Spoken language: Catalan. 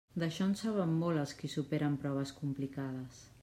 D'això en saben molt els qui superen proves complicades.